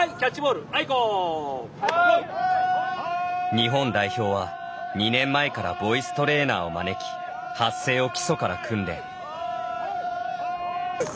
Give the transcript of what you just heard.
日本代表は２年前からボイストレーナーを招き発生を基礎から訓練。